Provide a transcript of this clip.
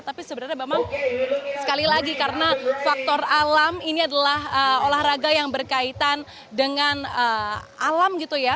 tapi sebenarnya memang sekali lagi karena faktor alam ini adalah olahraga yang berkaitan dengan alam gitu ya